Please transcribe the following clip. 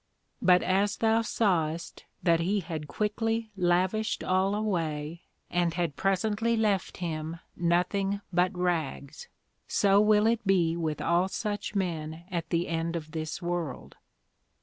But as thou sawest that he had quickly lavished all away, and had presently left him nothing but Rags; so will it be with all such men at the end of this world.